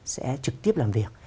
sẽ trực tiếp làm việc